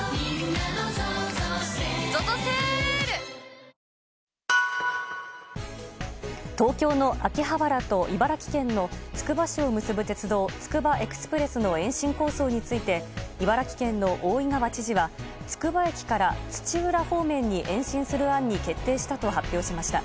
三菱電機東京の秋葉原と茨城県のつくば市を結ぶ鉄道つくばエクスプレスの延伸構想について茨城県の大井川知事はつくば駅から土浦方面に延伸する案に決定したと発表しました。